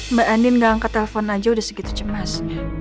mbak andin nggak angkat telepon aja udah segitu cemas